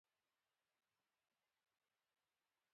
لوستې میندې د ناروغۍ پر وړاندې چمتو وي.